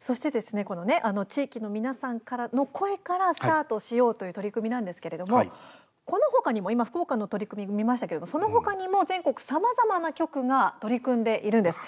そしてですね地域の皆さんからの声からスタートしようという取り組みなんですけれどもこのほかにも、今福岡の取り組みを見ましたけどもそのほかにも全国さまざまな局が取り組んでいるんです。